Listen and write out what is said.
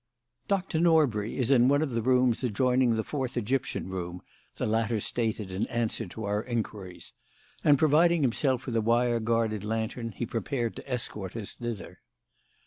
"Doctor Norbury is in one of the rooms adjoining the Fourth Egyptian Room," the latter stated in answer to our inquiries: and, providing himself with a wire guarded lantern, he prepared to escort us thither.